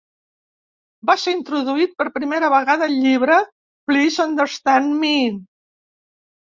Va ser introduït per primera vegada al llibre "Please Understand Me".